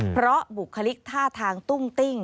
เพราะบุคลิกท่าทางตุ้งติ้ง